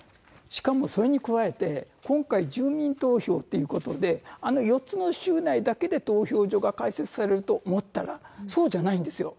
しかもそれに加えて、今回、住民投票ということで、あの４つの州内だけで投票所が開設されると思ったら、そうじゃないんですよ。